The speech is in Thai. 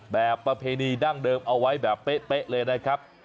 ประเพณีดั้งเดิมเอาไว้แบบเป๊ะเลยนะครับ